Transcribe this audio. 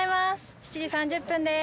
７時３０分です。